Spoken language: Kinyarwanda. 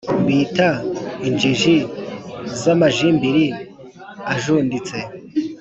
mbita « injiji z’amajimbiri ajunditse